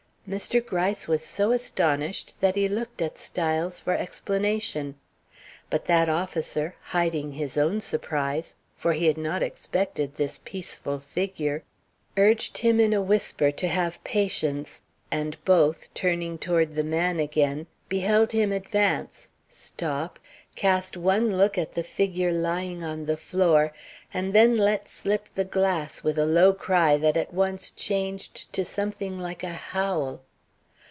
Mr. Gryce was so astonished that he looked at Styles for explanation. But that officer, hiding his own surprise, for he had not expected this peaceful figure, urged him in a whisper to have patience, and both, turning toward the man again, beheld him advance, stop, cast one look at the figure lying on the floor and then let slip the glass with a low cry that at once changed to something like a howl.